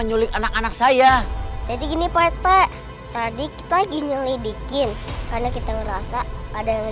dikulik anak anak saya jadi gini partai tadi kita gini lidikin karena kita ngerasa ada yang